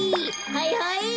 はいはい。